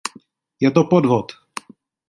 Je to podvod!